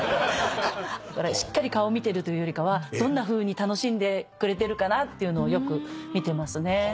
しっかり顔見てるというよりかはどんなふうに楽しんでくれてるかなっていうのをよく見てますね。